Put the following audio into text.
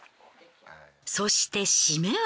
そして締めは。